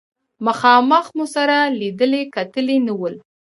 مخامخ مو سره لیدلي کتلي نه ول.